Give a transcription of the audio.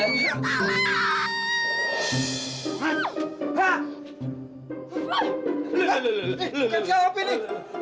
nih kan siapa ini